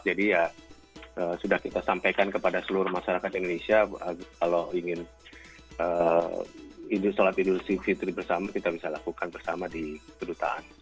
jadi ya sudah kita sampaikan kepada seluruh masyarakat indonesia kalau ingin sholat idul fitri bersama kita bisa lakukan bersama di kedutaan